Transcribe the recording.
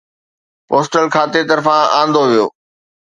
postal کاتي طرفان آندو ويو